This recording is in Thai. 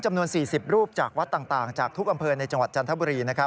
จำนวน๔๐รูปจากวัดต่างจากทุกอำเภอในจังหวัดจันทบุรี